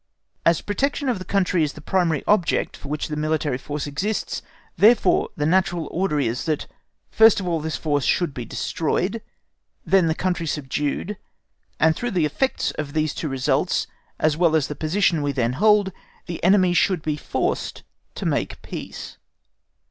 As protection of the country is the primary object for which the military force exists, therefore the natural order is, that first of all this force should be destroyed, then the country subdued; and through the effect of these two results, as well as the position we then hold, the enemy should be forced to make peace.